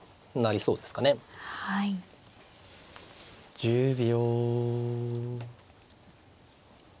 １０秒。